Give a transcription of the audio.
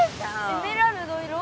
エメラルド色？